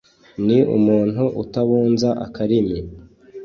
ni umuntu utabunza akarimi